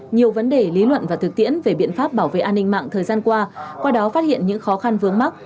nhiều vấn đề lý luận và thực tiễn về biện pháp bảo vệ an ninh mạng thời gian qua qua đó phát hiện những khó khăn vướng mắt